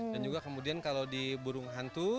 dan juga kemudian kalau di burung hantu